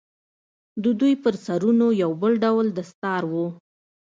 د دوى پر سرونو يو بل ډول دستار و.